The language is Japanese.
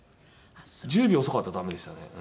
１０秒遅かったらダメでしたね。